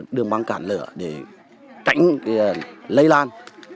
đường băng cản lửa để tránh lây lan